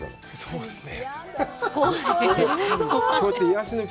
そうですね。